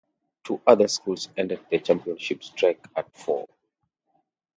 Two other schools ended their championship streak at four.